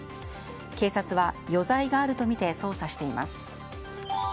警察は余罪があるとみて捜査しています。